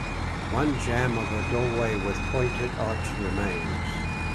One jamb of a doorway with a pointed arch remains.